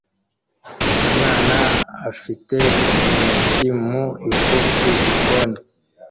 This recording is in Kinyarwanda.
Umwana afite intoki mu ifu ku gikoni